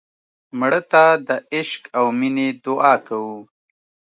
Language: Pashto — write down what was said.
مړه ته د عشق او مینې دعا کوو